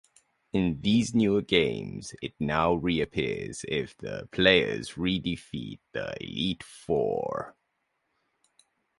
In these newer games, it now reappears if the player re-defeats the Elite Four.